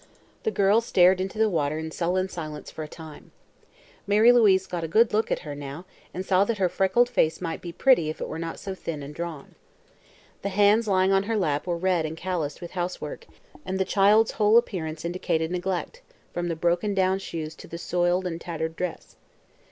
The girl stared into the water in sullen silence for a time. Mary Louise got a good look at her now and saw that her freckled face might be pretty if it were not so thin and drawn. The hands lying on her lap were red and calloused with housework and the child's whole appearance indicated neglect, from the broken down shoes to the soiled and tattered dress.